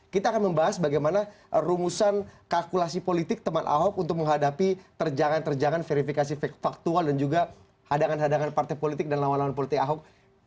kita akan membahas bagaimana rumusan kalkulasi politik teman ahok untuk menghadapi terjangan terjangan verifikasi faktual dan juga hadangan hadangan partai politik dan lawan lawan politik ahok